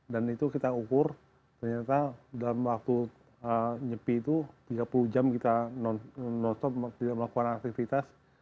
dan itu kita ukur ternyata dalam waktu nyepi itu tiga puluh jam kita non stop tidak melakukan aktivitas